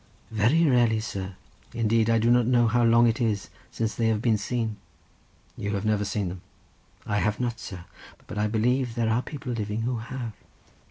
"Very rarely, sir; indeed, I do not know how long it is since they have been seen." "You have never seen them?" "I have not, sir; but I believe there are people living who have."